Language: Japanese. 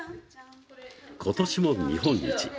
今年も日本一。